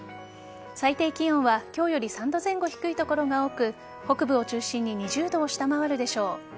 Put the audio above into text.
最低気温は今日より３度前後低い所が多く北部を中心に２０度を下回るでしょう。